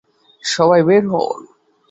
সবাই বের হোন!